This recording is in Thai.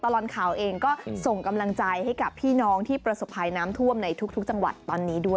แล้วกันนะครับ